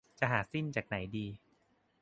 จะหาซิ่นจากไหนดี